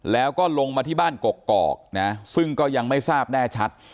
แล้วก็ลงมาที่บ้านกกอกนะซึ่งก็ยังไม่ทราบแน่ชัด